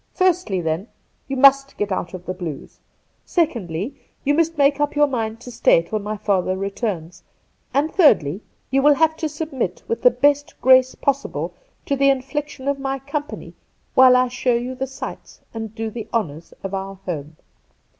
Firstly, then, you must get out of the blues. Secondly, you must make up your mind to stay till my father returns ; and thirdly, you will have to submit with the best grace possible to the infliction of my company while I show you the sights and do the honours of our home.'